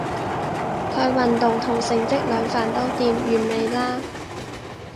佢運動同成績兩瓣都掂，完美啦